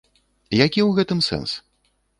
Які ў гэтым сэнс?